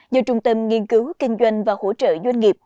do trung tâm nghiên cứu kinh doanh và hỗ trợ doanh nghiệp